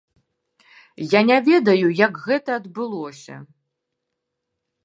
Я не ведаю, як гэта адбылося.